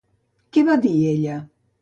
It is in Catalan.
Què va dir ella?